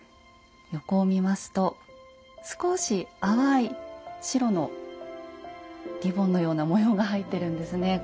向こうを見ますと少し淡い白のリボンのような模様が入ってるんですね。